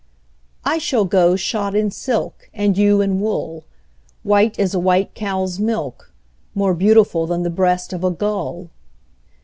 I shall go shod in silk, And you in wool, White as a white cow's milk, More beautiful Than the breast of a gull.